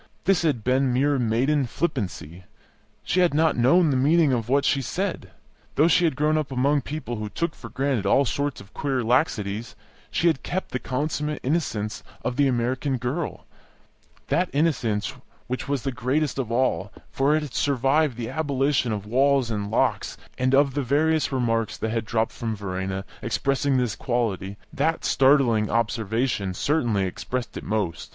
This had been mere maiden flippancy; she had not known the meaning of what she said. Though she had grown up among people who took for granted all sorts of queer laxities, she had kept the consummate innocence of the American girl, that innocence which was the greatest of all, for it had survived the abolition of walls and locks; and of the various remarks that had dropped from Verena expressing this quality that startling observation certainly expressed it most.